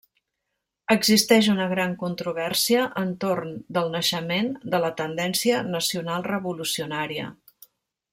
Existeix una gran controvèrsia entorn del naixement de la tendència nacional-revolucionària.